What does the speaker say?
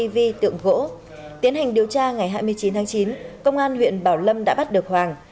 vi tượng gỗ tiến hành điều tra ngày hai mươi chín tháng chín công an huyện bảo lâm đã bắt được hoàng